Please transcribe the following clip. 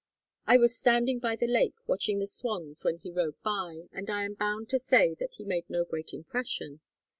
"I was standing by the lake watching the swans when he rode by, and I am bound to say that he made no great impression.